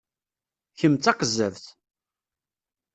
Kem d taqezzabt!